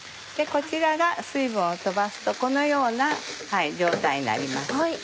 こちらが水分を飛ばすとこのような状態になります。